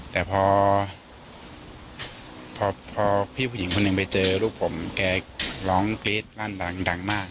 แต่พอพี่ผู้หญิงคนหนึ่งไปเจอลูกผมแกร้องกรี๊ดลั่นดังมาก